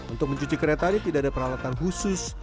untuk mencuci kereta ini tidak ada peralatan khusus